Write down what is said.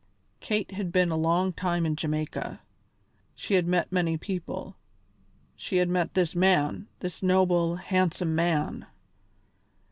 Kate had been a long time in Jamaica; she had met many people; she had met this man, this noble, handsome man.